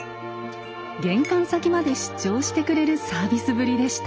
玄関先まで出張してくれるサービスぶりでした。